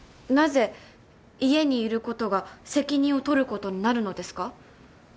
なぜ家にいることが責任を取ることになるのですか？